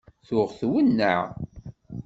Tuɣ twennaε.